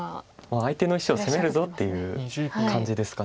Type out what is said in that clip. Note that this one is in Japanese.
相手の石を攻めるぞっていう感じですか。